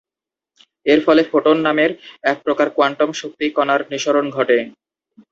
এর ফলে ফোটন নামের একপ্রকার কোয়ান্টাম শক্তি কণার নিঃসরণ ঘটে।